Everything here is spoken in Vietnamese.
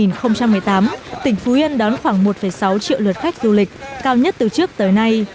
năm hai nghìn một mươi tám tỉnh phú yên đón khoảng một sáu triệu lượt khách du lịch cao nhất từ trước tới nay